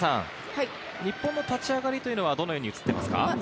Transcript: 日本の立ち上がり、どのように映っていますか？